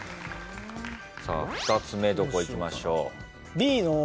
さあ２つ目どこいきましょう？